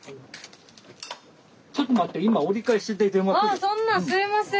あそんなすいません。